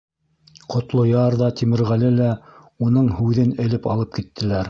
Ҡотлояр ҙа, Тимерғәле лә уның һүҙен элеп алып киттеләр.